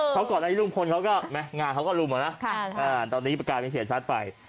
เขาก่อนในลุงพลเขาก็งานเขาก็ลุมแล้วนะตอนนี้กลายเป็นเสียชัดไป